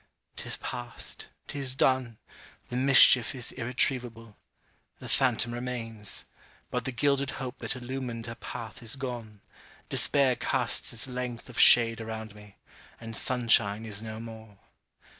'Tis past! 'tis done! the mischief is irretrievable. The phantom remains; but the gilded hope that illumined her path is gone despair casts its length of shade around me; and sunshine is no more.